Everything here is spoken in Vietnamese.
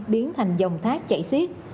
biến thành dòng thác chạy xiết